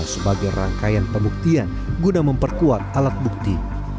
sebagai rangkaian pembuktian guna memperkuat alat bukti